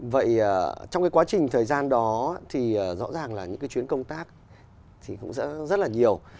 vậy trong cái quá trình thời gian đó thì rõ ràng là những cái chuyến công tác thì cũng sẽ rất là nhiều